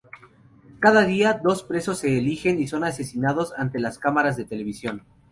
Cada día, dos presos se eligen y son asesinados ante las cámaras de televisión.